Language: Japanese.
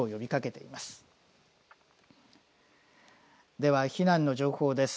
では、避難の情報です。